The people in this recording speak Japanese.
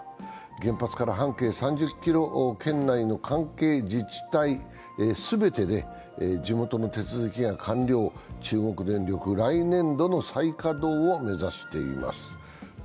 原発から半径３０ｋｍ圏内の関係自治体全てで地元の手続きが完了、中国電力は来年度の再稼働を目指しています。